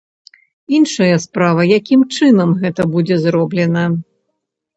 Іншая справа, якім чынам гэта будзе зроблена.